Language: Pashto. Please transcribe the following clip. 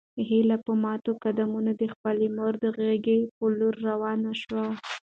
هیله په ماتو قدمونو د خپلې مور د غږ په لور روانه شوه.